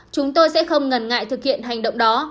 chúng tôi sẽ không ngần ngại thực hiện hành động đó